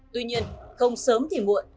tuy nhiên không sớm thì muộn